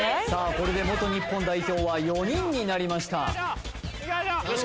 これで元日本代表は４人になりました